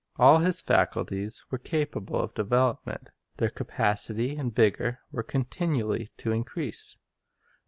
All his faculties were capable of development; their capacity and vigor were continually to increase.